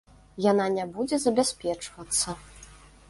Яна не будзе забяспечвацца.